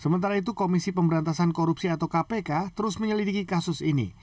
sementara itu komisi pemberantasan korupsi atau kpk terus menyelidiki kasus ini